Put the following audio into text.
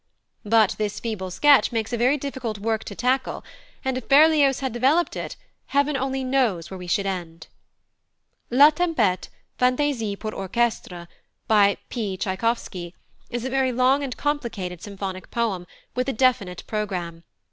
But this "feeble sketch" makes a very difficult work to tackle; and if Berlioz had developed it, Heaven only knows where we should end! La Tempête, Fantaisie pour orchestre by +P. Tschaikowsky+, is a very long and complicated symphonic poem, with a definite programme.